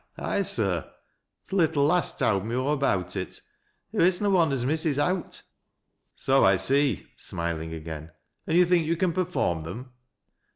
Aye sir. Th' little ;u88 towd me aw about it. Hoo is na one as misses owt." " So I see," smiling again. " And you think you can perform them?"